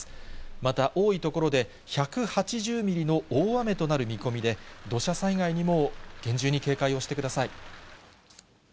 また多い所で１８０ミリの大雨となる見込みで、土砂災害にも厳重に警戒をしてください。